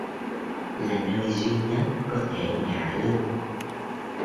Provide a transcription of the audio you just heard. Là nơi duy nhất có thể ngả lưng